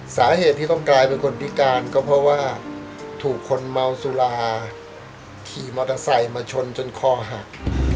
สาเหตุที่ต้องกลายเป็นคนพิการก็เพราะว่าถูกคนเมาสุราขี่มอเตอร์ไซค์มาชนจนคอหัก